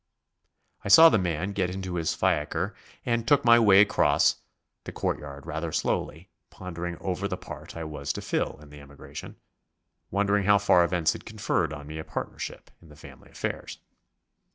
I saw the man get into his fiacre and took my way back across the court yard rather slowly, pondering over the part I was to fill in the emigration, wondering how far events had conferred on me a partnership in the family affairs.